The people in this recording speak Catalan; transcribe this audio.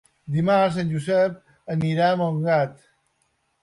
Dimarts en Josep anirà a Montgat.